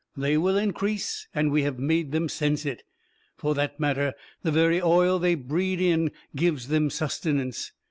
They will increase, and we have made them sense it. For that matter, the very oil they breed in, gives them sustenance.